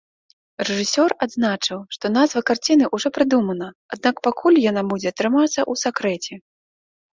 Рэжысёр адзначыў, што назва карціны ўжо прыдумана, аднак пакуль яна будзе трымацца ў сакрэце.